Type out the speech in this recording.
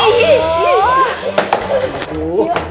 tuh tuh kan astagfirullahaladzim